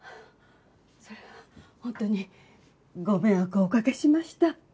それは本当にご迷惑をおかけしました。